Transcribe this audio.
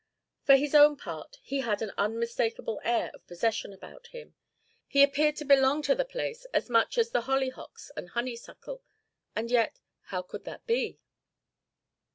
For his own part, he had an unmistakable air of possession about him. He appeared to belong to the place as much as the hollyhocks and honeysuckle; and yet, how could that be?